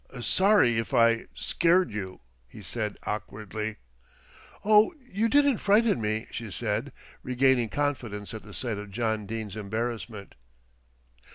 "Sorry if I scared you," he said awkwardly. "Oh, you didn't frighten me," she said, regaining confidence at the sight of John Dene's embarrassment.